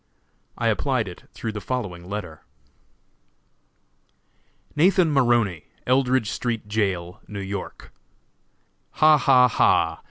I applied it through the following letter: "Nathan Maroney, Eldridge Street Jail, New York: "Ha! ha! ha!